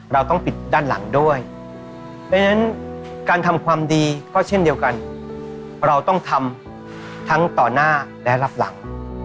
เราต้องปิดด้านหลังด้วยเพราะฉะนั้นการทำความดีก็เช่นเดียวกันเราต้องทำทั้งต่อหน้าและรับหลัง